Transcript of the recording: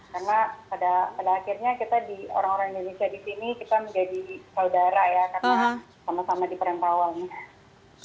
karena pada akhirnya kita orang orang indonesia disini kita menjadi saudara ya karena sama sama di perangkawang